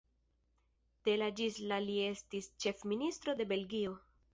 De la ĝis la li estis ĉefministro de Belgio.